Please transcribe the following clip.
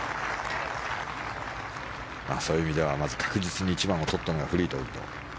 そういう意味ではまず確実に１番を取ったのがフリートウッド。